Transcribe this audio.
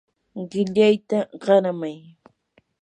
qillayta qaramay.